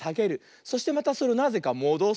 そしてまたそれをなぜかもどす。